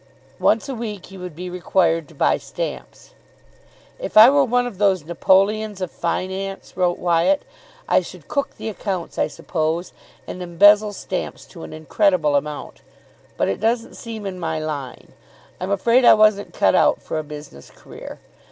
Once a week he would be required to buy stamps. "If I were one of those Napoleons of Finance," wrote Wyatt, "I should cook the accounts, I suppose, and embezzle stamps to an incredible amount. But it doesn't seem in my line. I'm afraid I wasn't cut out for a business career.